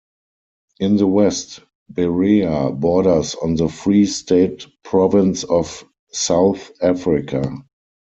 In the west, Berea borders on the Free State Province of South Africa.